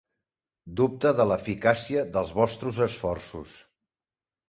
Dubta de l'eficàcia dels vostres esforços.